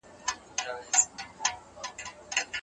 د سوداګرۍ لپاره قانون ضروري دی.